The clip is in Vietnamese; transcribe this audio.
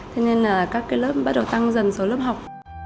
thế nên là các cái lớp bắt đầu tăng dần số lớp học